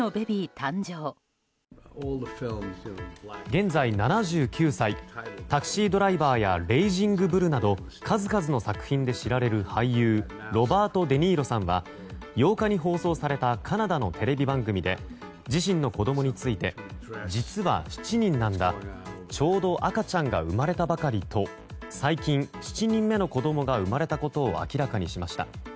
現在７９歳「タクシードライバー」や「レイジング・ブル」など数々の作品で知られる俳優ロバート・デ・ニーロさんは８日に放送されたカナダのテレビ番組で自身の子供について実は７人なんだちょうど赤ちゃんが生まれたばかりと最近、７人目の子供が生まれたことを明らかにしました。